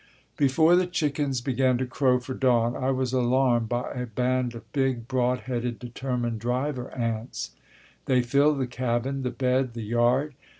Before the chickens began to crow for dawn I was alarmed by a band of big, broad headed, determined driver ants. They filled the cabin, the bed, the yard.